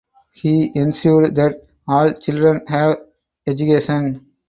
He ensured that all children have education.